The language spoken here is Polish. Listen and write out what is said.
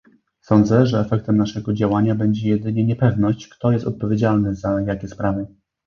Sądzę, że efektem naszego działania będzie jedynie niepewność, kto jest odpowiedzialny za jakie sprawy